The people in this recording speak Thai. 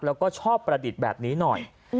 แล้วก็ชอบประดิษฐ์แบบนี้หน่อย